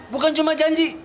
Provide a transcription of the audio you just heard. bukan cuma janji